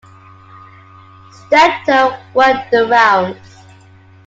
Steptoe-worked the rounds.